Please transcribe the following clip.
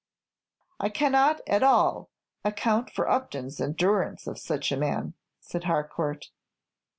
"I cannot at all account for Upton's endurance of such a man," said Harcourt.